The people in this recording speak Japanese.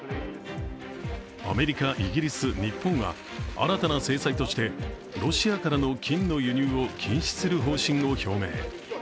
アメリカ、イギリス、日本は新たな制裁としてロシアからの金の輸入を禁止する方針を表明。